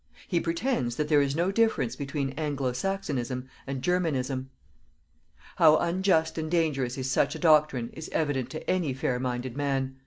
He pretends that there is no difference between Anglo Saxonism and Germanism. How unjust and dangerous is such a doctrine is evident to any fair minded man.